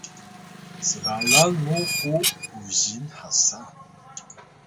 sgalan muw ku huzin hasa